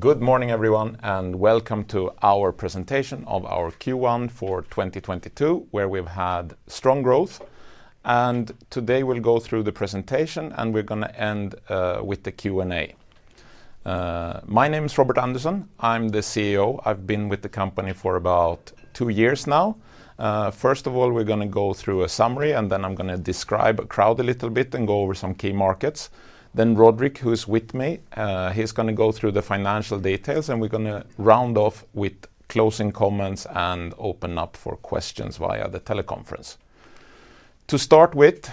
Good morning, everyone, and welcome to our presentation of our Q1 for 2022, where we've had strong growth. Today we'll go through the presentation, and we're gonna end with the Q&A. My name is Robert Andersson. I'm the CEO. I've been with the company for about two years now. First of all, we're gonna go through a summary, and then I'm gonna describe Acroud a little bit and go over some key markets. Then Roderick, who is with me, he's gonna go through the financial details, and we're gonna round off with closing comments and open up for questions via the teleconference. To start with,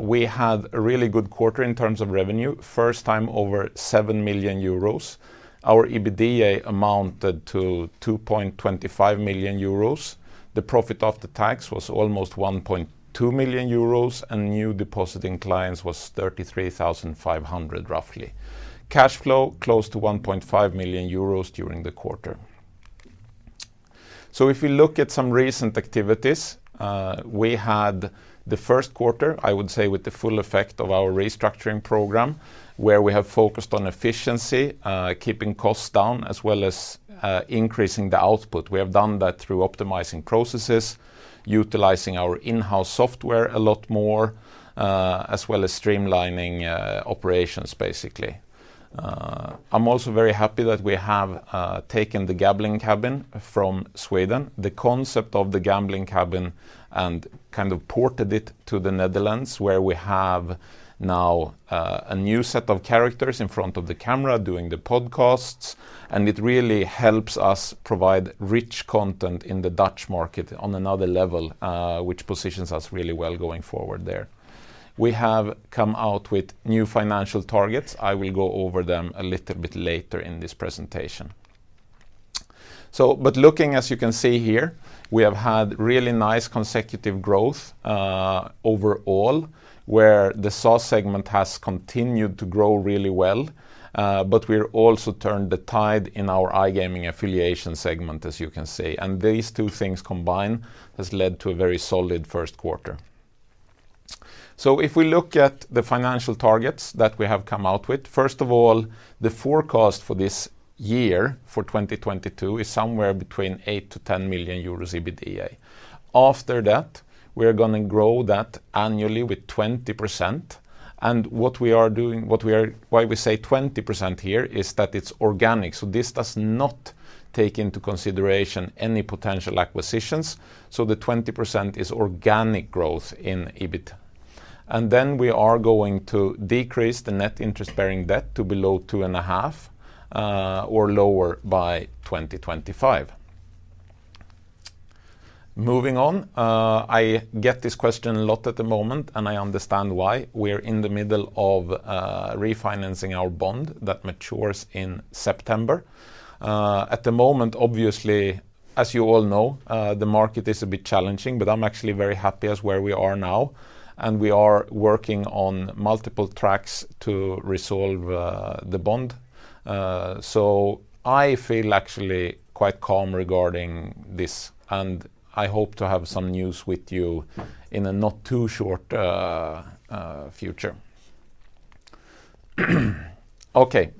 we had a really good quarter in terms of revenue, first time over 7 million euros. Our EBITDA amounted to 2.25 million euros. The profit after tax was almost 1.2 million euros, and new depositing clients was roughly 33,500. Cash flow close to 1.5 million euros during the quarter. If we look at some recent activities, we had the first quarter, I would say, with the full effect of our restructuring program, where we have focused on efficiency, keeping costs down, as well as increasing the output. We have done that through optimizing processes, utilizing our in-house software a lot more, as well as streamlining operations, basically. I'm also very happy that we have taken The Gambling Cabin from Sweden, the concept of The Gambling Cabin, and kind of ported it to the Netherlands, where we have now a new set of characters in front of the camera doing the podcasts. It really helps us provide rich content in the Dutch market on another level, which positions us really well going forward there. We have come out with new financial targets. I will go over them a little bit later in this presentation. Looking, as you can see here, we have had really nice consecutive growth overall, where the SaaS segment has continued to grow really well, but we've also turned the tide in our iGaming affiliate segment, as you can see. These two things combined has led to a very solid first quarter. If we look at the financial targets that we have come out with, first of all, the forecast for this year, for 2022, is somewhere between 8-10 million euros EBITDA. After that, we are gonna grow that annually with 20%. Why we say 20% here is that it's organic. This does not take into consideration any potential acquisitions. The 20% is organic growth in EBIT. Then we are going to decrease the net debt to EBITDA to below 2.5 or lower by 2025. Moving on, I get this question a lot at the moment, and I understand why. We're in the middle of refinancing our bond that matures in September. At the moment, obviously, as you all know, the market is a bit challenging, but I'm actually very happy with where we are now. We are working on multiple tracks to resolve the bond. I feel actually quite calm regarding this, and I hope to have some news with you in a not-too-short future. Okay,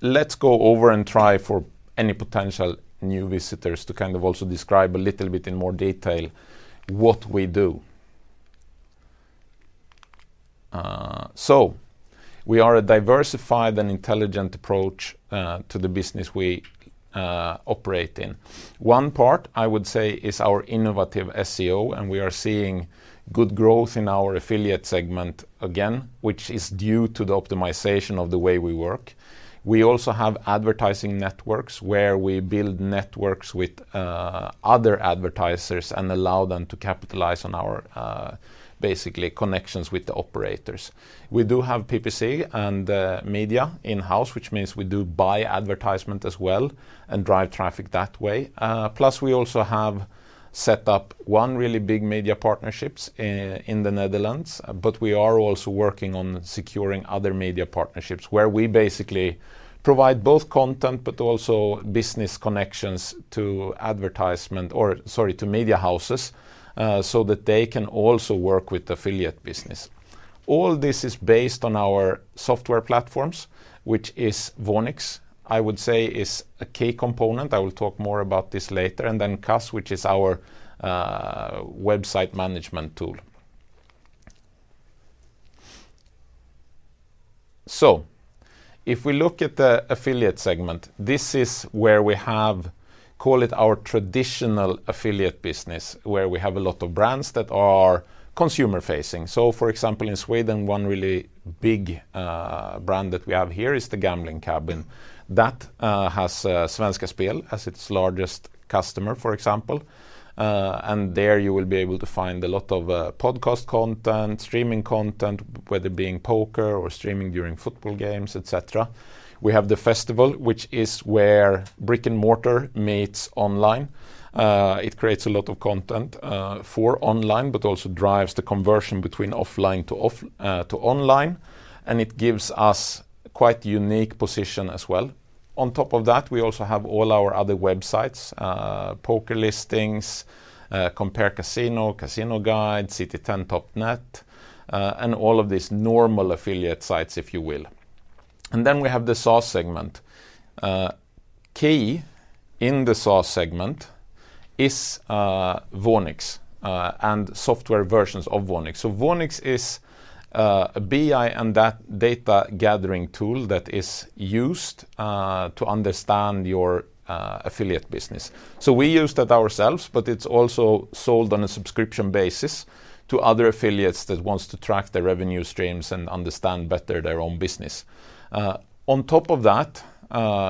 let's go over and try for any potential new visitors to kind of also describe a little bit in more detail what we do. We are a diversified and intelligent approach to the business we operate in. One part, I would say, is our innovative SEO, and we are seeing good growth in our affiliate segment again, which is due to the optimization of the way we work. We also have advertising networks where we build networks with other advertisers and allow them to capitalize on our basically connections with the operators. We do have PPC and media in-house, which means we do buy advertisement as well and drive traffic that way. We also have set up one really big media partnerships in the Netherlands, but we are also working on securing other media partnerships where we basically provide both content but also business connections to media houses, so that they can also work with affiliate business. All this is based on our software platforms, which is Voonix, I would say is a key component. I will talk more about this later. CAS, which is our website management tool. If we look at the affiliate segment, this is where we have, call it our traditional affiliate business, where we have a lot of brands that are consumer-facing. For example, in Sweden, one really big brand that we have here is TheGamblingCabin. That has Svenska Spel as its largest customer, for example. There you will be able to find a lot of podcast content, streaming content, whether it being poker or streaming during football games, et cetera. We have The Festival Series, which is where brick-and-mortar meets online. It creates a lot of content for online, but also drives the conversion between offline to online, and it gives us quite unique position as well. On top of that, we also have all our other websites, PokerListings, CompareCasino, CasinoGuide, Casinotop.net, and all of these normal affiliate sites, if you will. We have the SaaS segment. Key in the SaaS segment is Voonix and software versions of Voonix. So Voonix is a BI and data gathering tool that is used to understand your affiliate business. We use that ourselves, but it's also sold on a subscription basis to other affiliates that wants to track their revenue streams and understand better their own business. On top of that,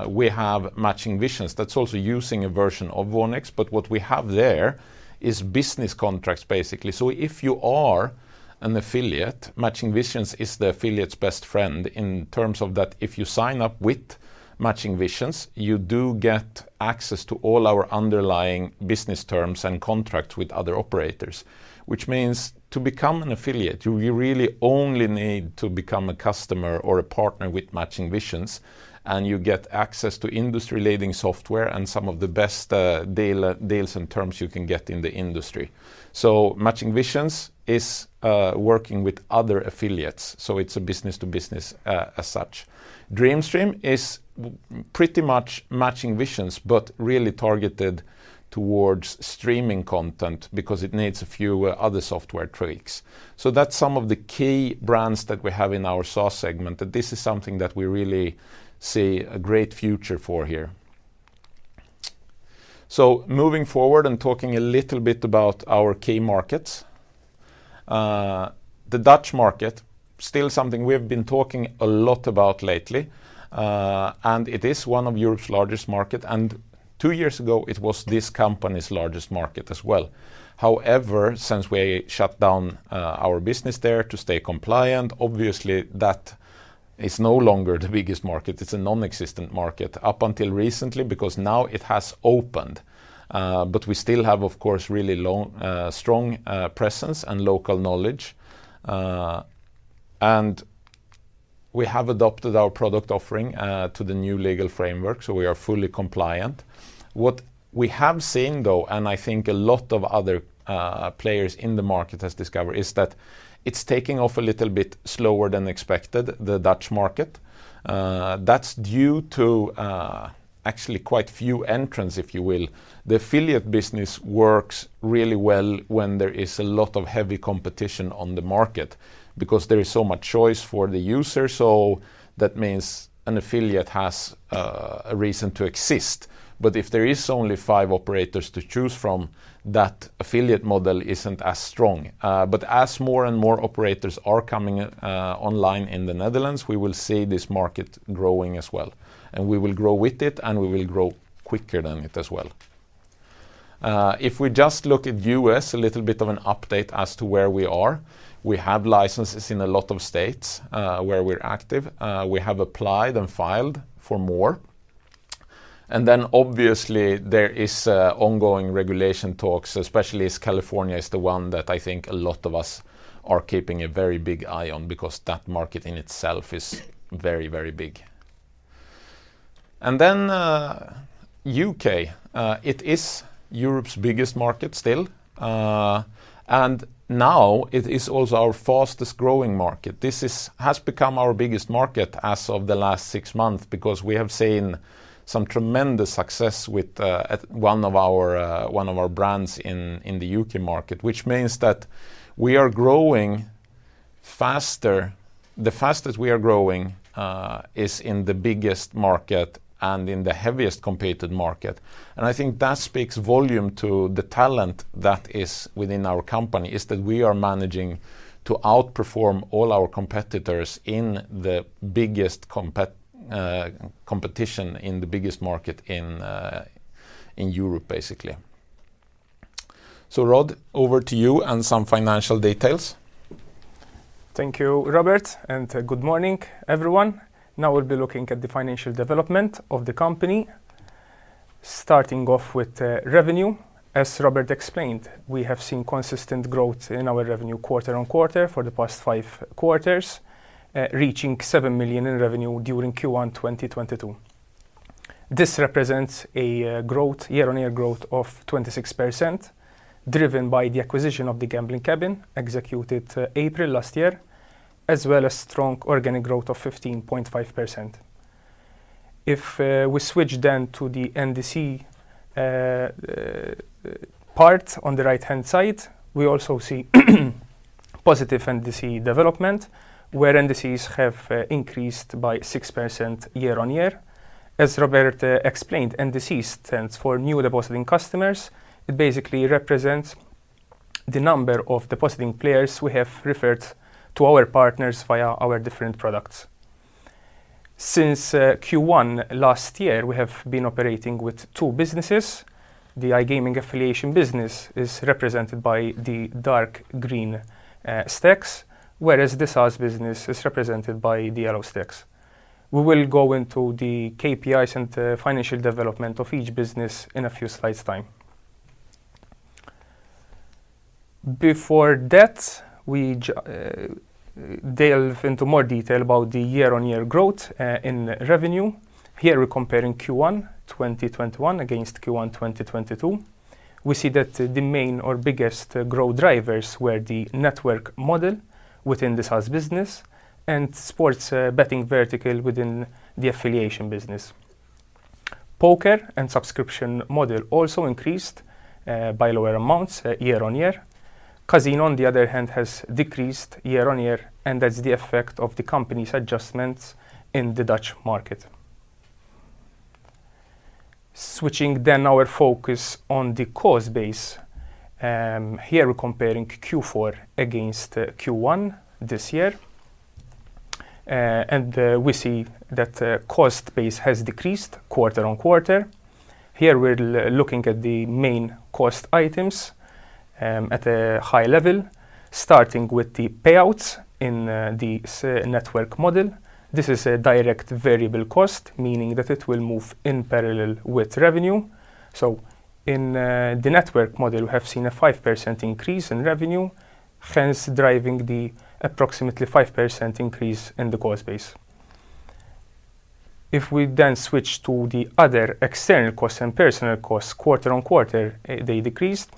we have Matching Visions that's also using a version of Voonix, but what we have there is business contracts, basically. If you are an affiliate, Matching Visions is the affiliate's best friend in terms of that if you sign up with Matching Visions, you do get access to all our underlying business terms and contracts with other operators. Which means to become an affiliate, you really only need to become a customer or a partner with Matching Visions, and you get access to industry-leading software and some of the best deals and terms you can get in the industry. Matching Visions is working with other affiliates, so it's a business to business as such. DreamStream is pretty much Matching Visions, but really targeted towards streaming content because it needs a few other software tricks. That's some of the key brands that we have in our SaaS segment, and this is something that we really see a great future for here. Moving forward and talking a little bit about our key markets. The Dutch market, still something we have been talking a lot about lately, and it is one of Europe's largest market, and two years ago, it was this company's largest market as well. However, since we shut down our business there to stay compliant, obviously that is no longer the biggest market. It's a nonexistent market up until recently because now it has opened. We still have, of course, strong presence and local knowledge. We have adopted our product offering to the new legal framework, so we are fully compliant. What we have seen, though, and I think a lot of other players in the market has discovered, is that it's taking off a little bit slower than expected, the Dutch market. That's due to actually quite few entrants, if you will. The affiliate business works really well when there is a lot of heavy competition on the market because there is so much choice for the user, so that means an affiliate has a reason to exist. If there is only five operators to choose from, that affiliate model isn't as strong. As more and more operators are coming online in the Netherlands, we will see this market growing as well, and we will grow with it, and we will grow quicker than it as well. If we just look at U.S., a little bit of an update as to where we are. We have licenses in a lot of states where we're active. We have applied and filed for more. Then obviously there is ongoing regulatory talks, especially as California is the one that I think a lot of us are keeping a very big eye on because that market in itself is very, very big. U.K., it is Europe's biggest market still, and now it is also our fastest-growing market. This has become our biggest market as of the last six months because we have seen some tremendous success with one of our brands in the U.K. market. Which means that we are growing faster. The fastest we are growing is in the biggest market and in the most heavily competed market. I think that speaks volumes to the talent that is within our company, that we are managing to outperform all our competitors in the biggest competition in the biggest market in Europe, basically. Rod, over to you and some financial details. Thank you, Robert, and good morning, everyone. Now we'll be looking at the financial development of the company, starting off with revenue. As Robert explained, we have seen consistent growth in our revenue quarter-on-quarter for the past five quarters, reaching 7 million in revenue during Q1 2022. This represents a year-on-year growth of 26%, driven by the acquisition of The Gambling Cabin executed April last year, as well as strong organic growth of 15.5%. If we switch then to the NDC part on the right-hand side, we also see positive NDC development, where NDCs have increased by 6% year-on-year. As Robert explained, NDC stands for New Depositing Customers. It basically represents the number of depositing players we have referred to our partners via our different products. Since Q1 last year, we have been operating with two businesses. The iGaming affiliation business is represented by the dark green stacks, whereas the SaaS business is represented by the yellow stacks. We will go into the KPIs and the financial development of each business in a few slides' time. Before that, we delve into more detail about the year-on-year growth in revenue. Here, we're comparing Q1 2021 against Q1 2022. We see that the main or biggest growth drivers were the network model within the SaaS business and sports betting vertical within the affiliation business. Poker and subscription model also increased by lower amounts year-on-year. Casino, on the other hand, has decreased year-on-year, and that's the effect of the company's adjustments in the Dutch market. Switching our focus on the cost base. Here we're comparing Q4 against Q1 this year. We see that the cost base has decreased quarter-on-quarter. Here we're looking at the main cost items, at a high level, starting with the payouts in the network model. This is a direct variable cost, meaning that it will move in parallel with revenue. In the network model, we have seen a 5% increase in revenue, hence driving the approximately 5% increase in the cost base. If we then switch to the other external costs and personal costs, quarter-on-quarter, they decreased,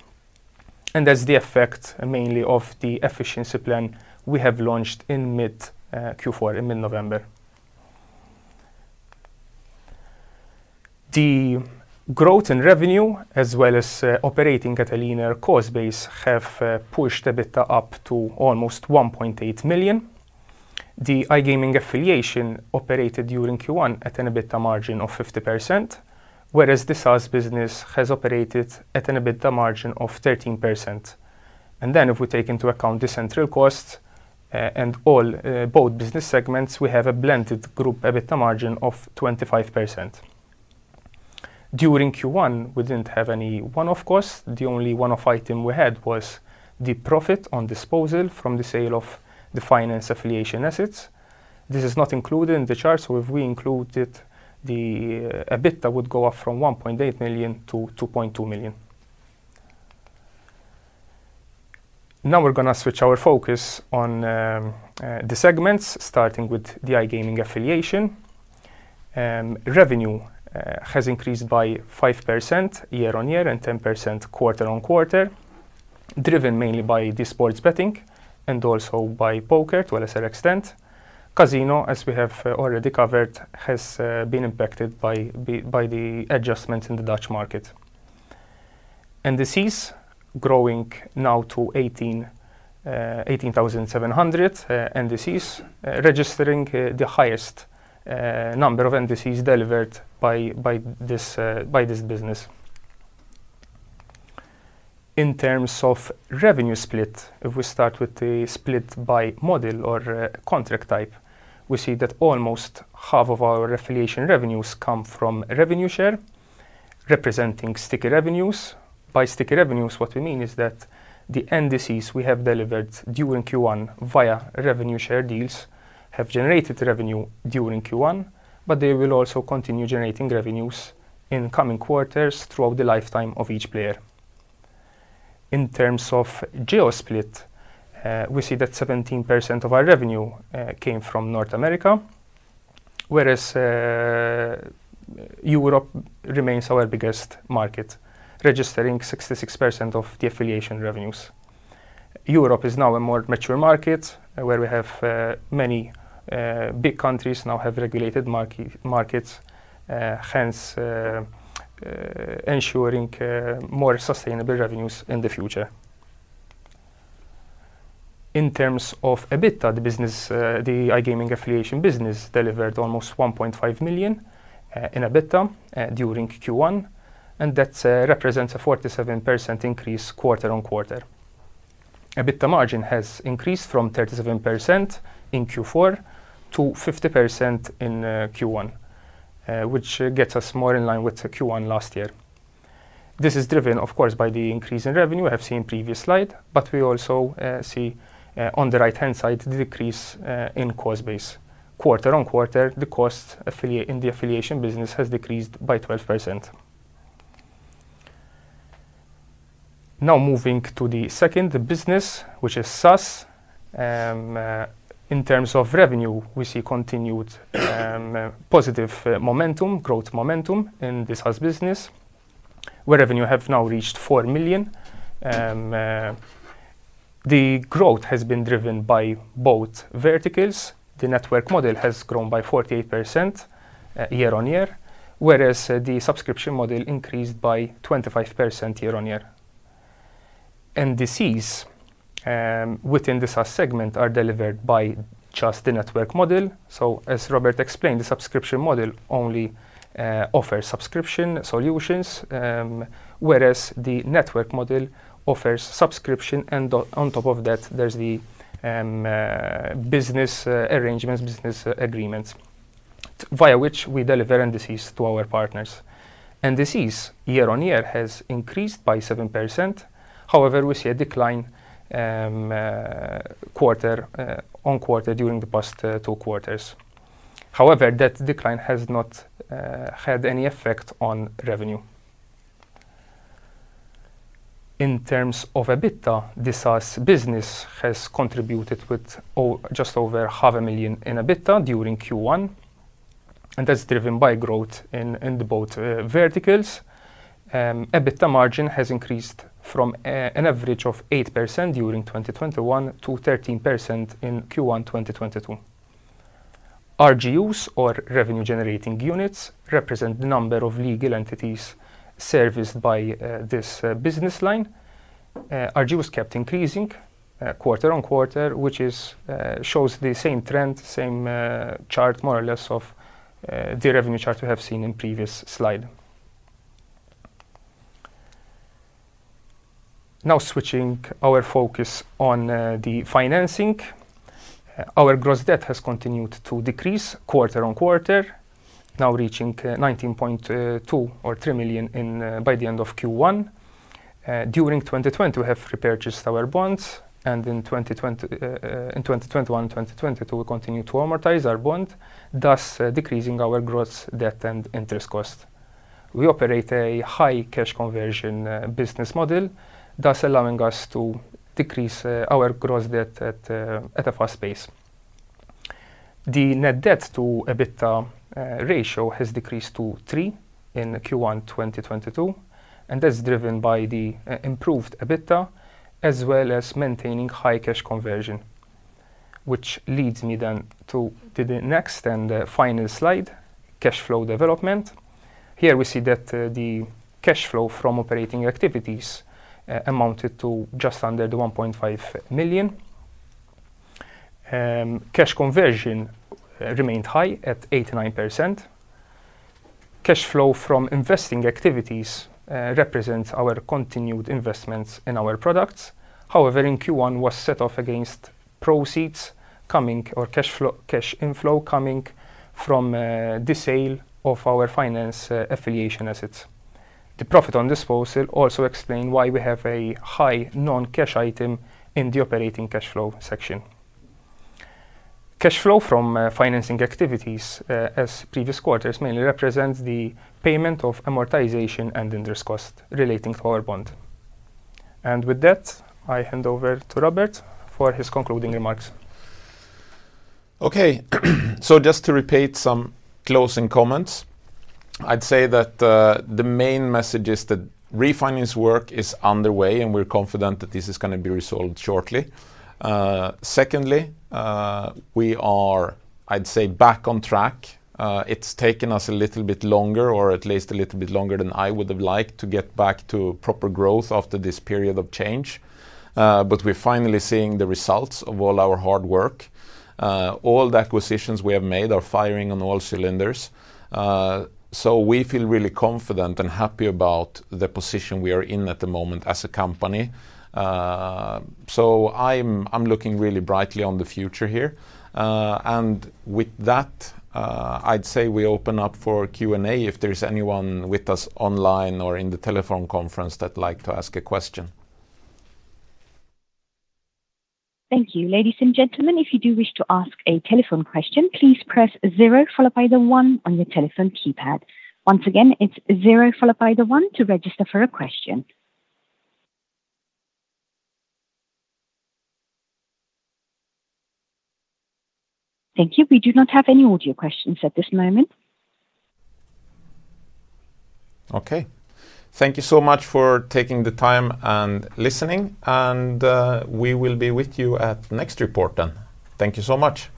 and that's the effect mainly of the efficiency plan we have launched in mid Q4, in mid-November. The growth in revenue as well as operating at a leaner cost base have pushed EBITDA up to almost 1.8 million. The iGaming affiliation operated during Q1 at an EBITDA margin of 50%, whereas the SaaS business has operated at an EBITDA margin of 13%. If we take into account the central costs, and all, both business segments, we have a blended group EBITDA margin of 25%. During Q1, we didn't have any one-off costs. The only one-off item we had was the profit on disposal from the sale of the finance affiliation assets. This is not included in the chart, so if we include it, the EBITDA would go up from 1.8 million to 2.2 million. Now we're gonna switch our focus on the segments, starting with the iGaming affiliation. Revenue has increased by 5% year-on-year and 10% quarter-on-quarter, driven mainly by the sports betting and also by poker to a lesser extent. Casino, as we have already covered, has been impacted by the adjustments in the Dutch market. NDCs growing now to 18,700 NDCs, registering the highest number of NDCs delivered by this business. In terms of revenue split, if we start with the split by model or contract type, we see that almost half of our affiliate revenues come from revenue share, representing sticky revenues. By sticky revenues, what we mean is that the NDCs we have delivered during Q1 via revenue share deals have generated revenue during Q1, but they will also continue generating revenues in coming quarters throughout the lifetime of each player. In terms of geo split, we see that 17% of our revenue came from North America, whereas Europe remains our biggest market, registering 66% of the affiliate revenues. Europe is now a more mature market, where we have many big countries now have regulated markets, hence ensuring more sustainable revenues in the future. In terms of EBITDA, the business, the iGaming affiliate business delivered almost 1.5 million in EBITDA during Q1, and that represents a 47% increase quarter on quarter. EBITDA margin has increased from 37% in Q4 to 50% in Q1, which gets us more in line with Q1 last year. This is driven, of course, by the increase in revenue we have seen previous slide, but we also see on the right-hand side, the decrease in cost base. Quarter-on-quarter, the affiliate cost in the affiliate business has decreased by 12%. Now moving to the second business, which is SaaS. In terms of revenue, we see continued positive momentum, growth momentum in the SaaS business, where revenue have now reached 4 million. The growth has been driven by both verticals. The network model has grown by 48% year-on-year, whereas the subscription model increased by 25% year-on-year. NDCs within the SaaS segment are delivered by just the network model. As Robert explained, the subscription model only offers subscription solutions, whereas the network model offers subscription and on top of that, there's the business arrangements, business agreements via which we deliver NDCs to our partners. NDCs year-on-year has increased by 7%. However, we see a decline quarter-on-quarter during the past two quarters. However, that decline has not had any effect on revenue. In terms of EBITDA, the SaaS business has contributed with just over half a million EUR in EBITDA during Q1, and that's driven by growth in both verticals. EBITDA margin has increased from an average of 8% during 2021 to 13% in Q1 2022. RGUs, or Revenue Generating Units, represent the number of legal entities serviced by this business line. RGUs kept increasing quarter-over-quarter, which shows the same trend, same chart more or less of the revenue chart we have seen in previous slide. Now switching our focus on the financing. Our gross debt has continued to decrease quarter-over-quarter, now reaching 19.2-19.3 million by the end of Q1. During 2020 we have repurchased our bonds and in 2021, 2022 we continue to amortize our bond, thus decreasing our gross debt and interest cost. We operate a high cash conversion business model, thus allowing us to decrease our gross debt at a fast pace. The net debt to EBITDA ratio has decreased to 3 in Q1 2022, and that's driven by the improved EBITDA as well as maintaining high cash conversion. Which leads me to the next and the final slide, cash flow development. Here we see that the cash flow from operating activities amounted to just under 1.5 million. Cash conversion remained high at 89%. Cash flow from investing activities represents our continued investments in our products. However, in Q1 was set off against proceeds coming or cash inflow coming from the sale of our financial affiliate assets. The profit on disposal also explain why we have a high non-cash item in the operating cash flow section. Cash flow from financing activities as previous quarters mainly represents the payment of amortization and interest cost relating to our bond. With that, I hand over to Robert for his concluding remarks. Okay. Just to repeat some closing comments, I'd say that the main message is that refinance work is underway, and we're confident that this is gonna be resolved shortly. Secondly, we are, I'd say, back on track. It's taken us a little bit longer, or at least a little bit longer than I would have liked to get back to proper growth after this period of change. We're finally seeing the results of all our hard work. All the acquisitions we have made are firing on all cylinders. We feel really confident and happy about the position we are in at the moment as a company. I'm looking really brightly on the future here. With that, I'd say we open up for Q&A if there's anyone with us online or in the telephone conference that'd like to ask a question. Thank you. Ladies and gentlemen, if you do wish to ask a telephone question, please press zero followed by the one on your telephone keypad. Once again, it's zero followed by the one to register for a question. Thank you. We do not have any audio questions at this moment. Okay. Thank you so much for taking the time and listening. We will be with you at next report then. Thank you so much.